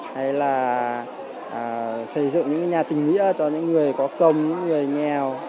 hay là xây dựng những nhà tình nghĩa cho những người có công những người nghèo